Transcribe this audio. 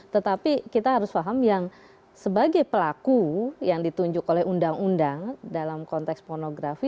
tetapi kita harus paham yang sebagai pelaku yang ditunjuk oleh undang undang dalam konteks pornografi